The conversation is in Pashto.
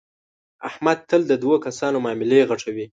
احمد تل د دو کسانو معاملې غټوي.